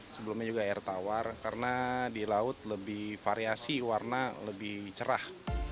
sebelumnya juga air tawar karena di laut lebih variasi warna lebih cerah